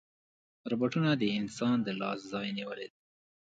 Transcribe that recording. روبوټونه د انسان د لاس ځای نیولی دی.